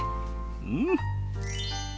うん！